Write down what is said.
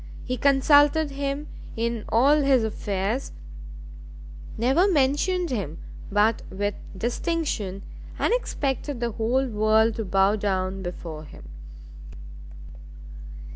He consulted him in all his affairs, never mentioned him but with distinction, and expected the whole world to bow down before him.